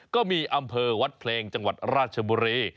ก็มีอำเภอวัดเพลงจังหวัดราชบุรี